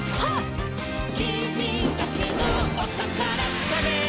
「きみだけのおたからつかめ！」